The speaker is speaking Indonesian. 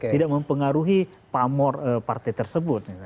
tidak mempengaruhi pamor partai tersebut